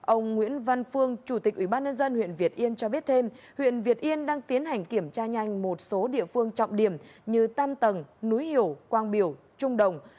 ông nguyễn văn phương chủ tịch ubnd huyện việt yên cho biết thêm huyện việt yên đang tiến hành kiểm tra nhanh một số địa phương trọng điểm như tam tầng núi hiểu quang biểu trung đồng